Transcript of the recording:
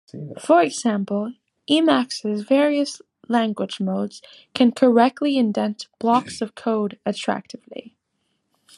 For example, Emacs' various language modes can correctly indent blocks of code attractively.